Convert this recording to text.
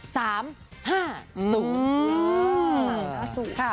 ๕๓๕สู่